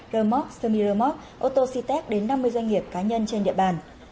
remox semi remox autocitec đến năm mươi doanh nghiệp cá nhân trên địa bàn